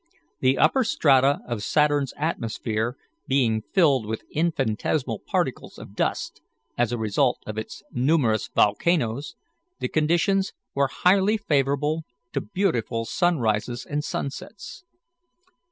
The upper strata of Saturn's atmosphere being filled with infinitesimal particles of dust, as a result of its numerous volcanoes, the conditions were highly favourable to beautiful sunrises and sunsets.